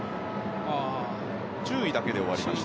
注意だけで終わりました。